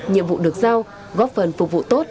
nhiệm vụ được giao góp phần phục vụ tốt